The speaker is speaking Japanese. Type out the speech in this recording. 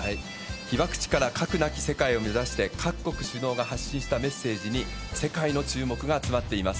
被爆地から核なき世界を目指して、各国首脳が発信したメッセージに、世界の注目が集まっています。